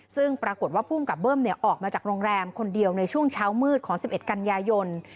ซึ่งปรากฏว่าภูมิกับเบิ้มออกมาจากโรงแรมคนเดียวในช่วงเช้ามืดของ๑๑กันยายน